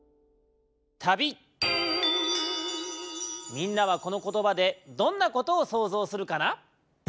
みんなはこのことばでどんなことをそうぞうするかな？